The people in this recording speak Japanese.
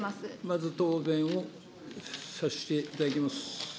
まず答弁をさせていただきます。